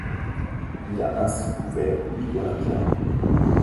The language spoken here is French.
Il a ainsi couvert huit olympiades.